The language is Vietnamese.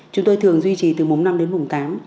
chúng tôi thường duy trì từ mùng năm đến mùng tám